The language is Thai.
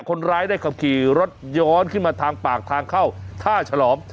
คนร้ายได้ขับขี่รถย้อนขึ้นมาทางปากทางเข้าท่าฉลอม